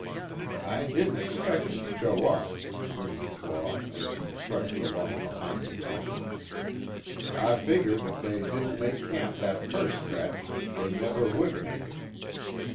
"I didn't expect 'em to show up," grinned Claw, as he trudged along behind the Captain. "I figgered if they didn't make camp that first stretch, they never would make it.